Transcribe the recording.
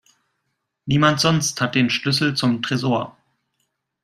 Niemand sonst hat den Schlüssel zum Tresor.